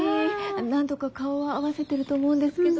何度か顔は合わせてると思うんですけど。